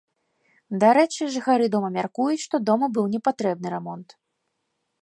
Дарэчы, жыхары дома мяркуюць, што дому быў непатрэбны рамонт.